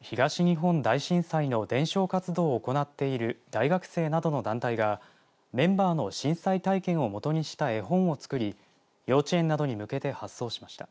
東日本大震災の伝承活動を行っている大学生などの団体がメンバーの震災体験をもとにした絵本を作り幼稚園などに向けて発送しました。